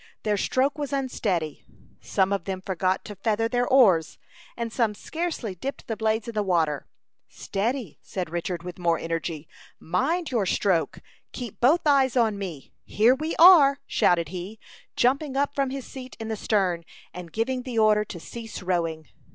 Their stroke was unsteady; some of them forgot to feather their oars, and some scarcely dipped the blades in the water. "Steady!" said Richard, with more energy. "Mind your stroke. Keep both eyes on me. Here we are!" shouted he, jumping up from his seat in the stern, and giving the order to cease rowing.